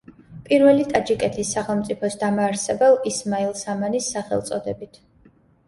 პირველი ტაჯიკეთის სახელმწიფოს დამაარსებელ ისმაილ სამანის სახელწოდებით.